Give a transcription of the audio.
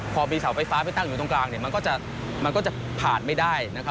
พอมีเสาไฟฟ้าไปตั้งอยู่ตรงกลางมันก็จะผ่านไม่ได้